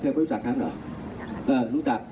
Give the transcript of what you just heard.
เธอไม่รู้จักทั้งหมดเหรอรู้จัก